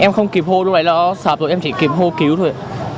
em không kịp hô lúc đấy nó sập rồi em chỉ kịp hô cứu thôi